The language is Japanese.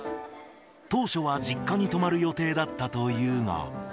当初は実家に泊まる予定だったというが。